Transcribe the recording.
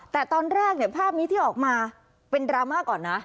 แต่ตอนแรกเนี่ยภาพนี้ที่ออกมาเป็นดราม่าก่อนนะ